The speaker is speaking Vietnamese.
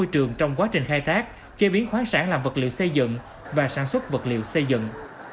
trường trong quá trình khai thác chế biến khoáng sản làm vật liệu xây dựng và sản xuất vật liệu xây dựng